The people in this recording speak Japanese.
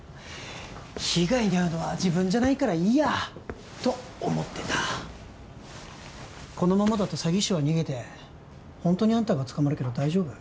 被害に遭うのは自分じゃないからいいやと思ってたこのままだと詐欺師は逃げてホントにあんたが捕まるけど大丈夫？